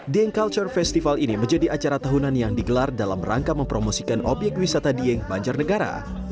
dieng culture festival ini menjadi acara tahunan yang digelar dalam rangka mempromosikan obyek wisata dieng banjarnegara